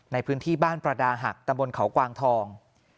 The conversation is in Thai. ในพื้นที่บ้านประดาหักตำบลเขากวางทอง